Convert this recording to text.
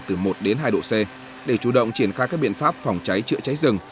từ một đến hai độ c để chủ động triển khai các biện pháp phòng cháy chữa cháy rừng